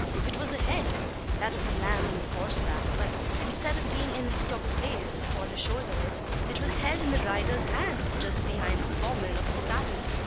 It was a head that of the man on horseback; but, instead of being in its proper place, upon his shoulders, it was held in the rider's hand, just behind the pommel of the saddle!